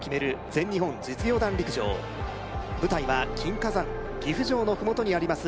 全日本実業団陸上舞台は金華山岐阜城のふもとにあります